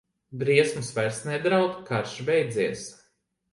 Briesmas vairs nedraud, karš beidzies.